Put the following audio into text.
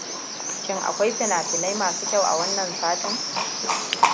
Shin akwai finafinai masu kyau a wannan satin?